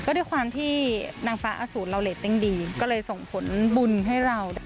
ด้วยความที่นางฟ้าอสูรเราเรตติ้งดีก็เลยส่งผลบุญให้เรา